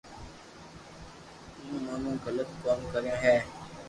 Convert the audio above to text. تمو موٽو غلط ڪوم ڪريو ھي